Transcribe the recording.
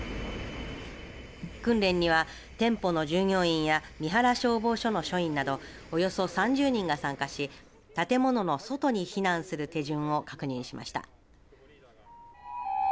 訓練には、店舗の従業員や三原消防署の署員などおよそ３０人が参加し建物の外に避難する手順を確認しました。